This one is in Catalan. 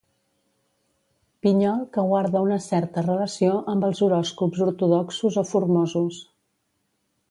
Pinyol que guarda una certa relació amb els horòscops ortodoxos o formosos.